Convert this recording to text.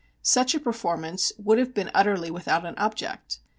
Such a performance would have been utterly without an object.